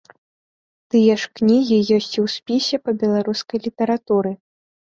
Тыя ж кнігі ёсць і ў спісе па беларускай літаратуры.